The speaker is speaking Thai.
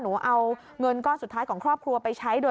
หนูเอาเงินก้อนสุดท้ายของครอบครัวไปใช้โดยไม่เกิดประโยชน์